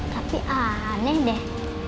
tapi aneh deh